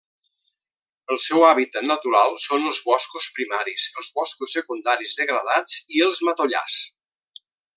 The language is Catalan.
El seu hàbitat natural són els boscos primaris, els boscos secundaris degradats i els matollars.